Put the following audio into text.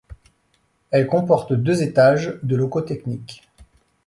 Elle comporte deux étages de locaux techniques.